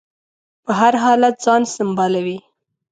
په هر حالت ځان سنبالوي.